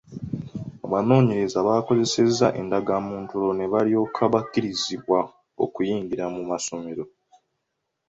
Abanoonyereza bakozesa ndagamuntu olwo ne balyoka bakkirizibwa okuyingira mu masomero.